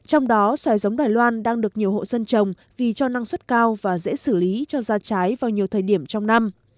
trong đó xoài giống đài loan đang được nhiều hộ dân trồng vì cho năng suất cao và dễ xử lý cho ra trái vào nhiều thời điểm trong năm